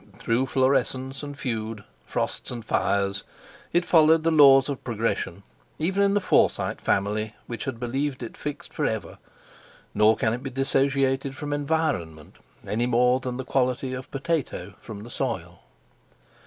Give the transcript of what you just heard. Through florescence and feud, frosts and fires, it followed the laws of progression even in the Forsyte family which had believed it fixed for ever. Nor can it be dissociated from environment any more than the quality of potato from the soil.